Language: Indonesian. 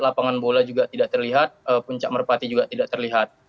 lapangan bola juga tidak terlihat puncak merpati juga tidak terlihat